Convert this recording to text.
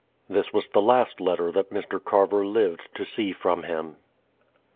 This was the last letter that Mr. Carver lived to see from him.